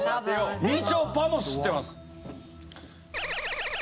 みちょぱも知ってます。